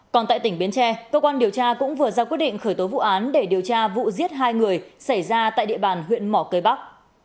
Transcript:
còn tại tỉnh bến tre cơ quan điều tra cũng vừa ra quyết định khởi tố vụ án để điều tra vụ giết hai người xảy ra tại địa bàn huyện mỏ cây bắc